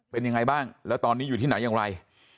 เป็นยังไงบ้างแล้วตอนนี้อยู่ที่ไหนอย่างไร